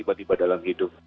tiba tiba dalam hidup